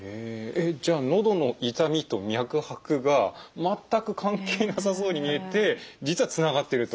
えっじゃあのどの痛みと脈拍が全く関係なさそうに見えて実はつながっていると。